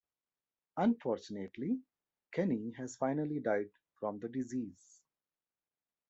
Unfortunately, Kenny has finally died from the disease.